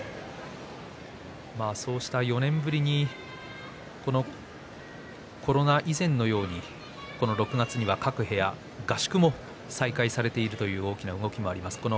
４年ぶりにコロナ以前のように６月には各部屋、合宿も再開されているという大きな動きがありました。